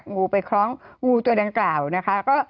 งูไปคล้องงูตัวดังกล่าวนะคะ